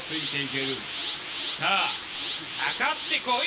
さあかかってこい！